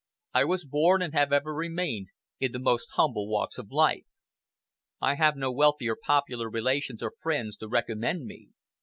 I was born, and have ever remained, in the most humble walks of life. I have no wealthy or popular relations or friends to recommend me.